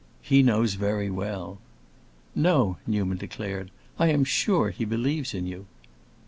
"He knows very well!" "No," Newman declared; "I am sure he believes in you."